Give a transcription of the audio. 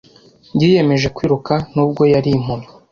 Yiyemeje kwiruka nubwo yari impumyi.